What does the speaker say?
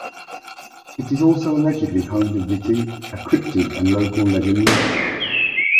It is also allegedly home to Vittie, a cryptid and local legend.